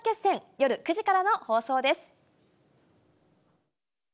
夜９時からの放送です。